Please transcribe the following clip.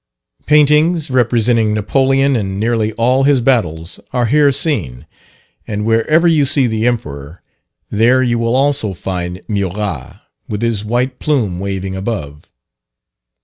Paintings, representing Napoleon in nearly all his battles, are here seen; and wherever you see the Emperor, there you will also find Murat, with his white plume waving above.